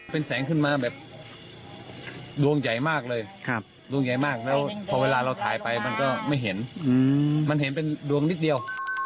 เป็นแสงขึ้นมาแบบดวงใหญ่มากเลยดวงใหญ่มากแล้วพอเวลาเราถ่ายไปมันก็ไม่เห็นมันเห็นเป็นดวงนิดเดียว